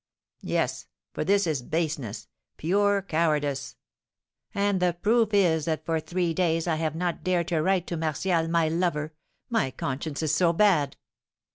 Yes, for this is baseness, pure cowardice; and the proof is, that for three days I have not dared to write to Martial, my lover, my conscience is so bad.